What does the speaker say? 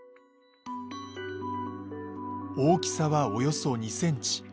大きさはおよそ２センチ。